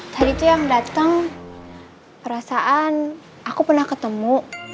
tadi tuh yang dateng perasaan aku pernah ketemu